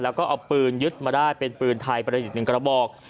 แล้วก็เอาปืนยึดมาได้เป็นปืนไทยประดิษฐ์๑กระบอก